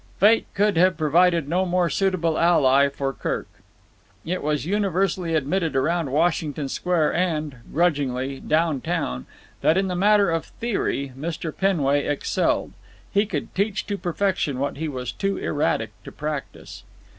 Fate could have provided no more suitable ally for Kirk. It was universally admitted around Washington Square and—grudgingly—down town that in the matter of theory Mr. Penway excelled. He could teach to perfection what he was too erratic to practise.